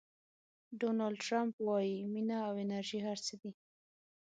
ډونالډ ټرمپ وایي مینه او انرژي هر څه دي.